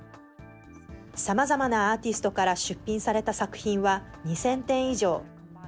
さまざまなアーティストから出品された作品は２０００点以上。